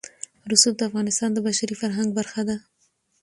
رسوب د افغانستان د بشري فرهنګ برخه ده.